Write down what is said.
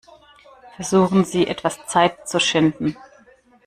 Versuchen Sie, etwas Zeit zu schinden.